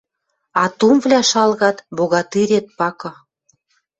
А тумвлӓ шалгат — богатырет пакы!